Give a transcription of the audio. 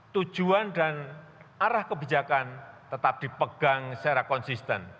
tujuan dan arah kebijakan tetap dipegang secara konsisten